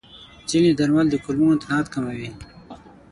ځینې درمل د کولمو انتانات کموي.